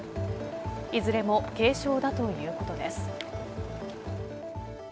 いずれも軽傷だということです。